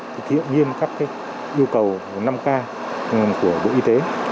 thực hiện nghiêm các yêu cầu năm k của bộ y tế